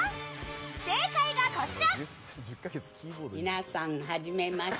正解がこちら！